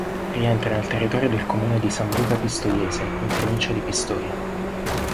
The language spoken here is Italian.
Rientra nel territorio del comune di Sambuca Pistoiese, in provincia di Pistoia.